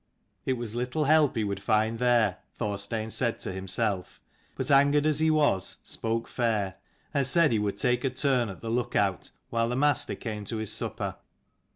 251 It was little help he would find there, Thor stein said to himself: but angered as he was, spoke fair: and said he would take a turn at the look out while the master came to his supper.